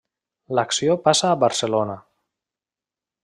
L'acció passa a Barcelona.